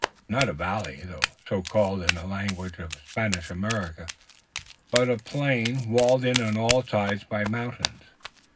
It is not a valley, though so called in the language of Spanish America, but a plain walled in on all sides by mountains.